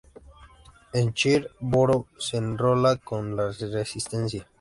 En ""Cher Boro"" se enrola con la resistencia.